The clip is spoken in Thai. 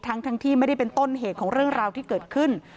ทั้งที่ไม่ได้เป็นต้นเหตุของเรื่องราวที่เกิดขึ้น